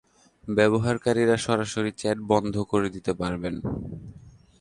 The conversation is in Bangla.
ব্যবহারকারীরা সরাসরি চ্যাট বন্ধ করে দিতে পারবেন।